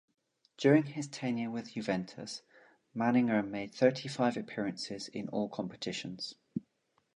During his tenure with Juventus, Manninger made thirty-five appearances in all competitions.